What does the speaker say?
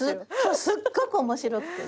すっごく面白くてね。